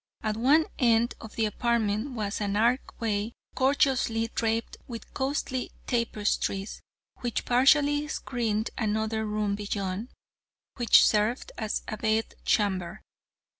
At one end of the apartment was an archway gorgeously draped with costly tapestries which partially screened another room beyond, which served as a bed chamber.